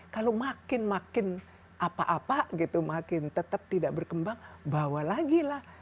kalau makin makin apa apa gitu makin tetap tidak berkembang bawa lagi lah